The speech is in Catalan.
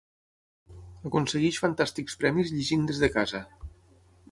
Aconsegueix fantàstics premis llegint des de casa.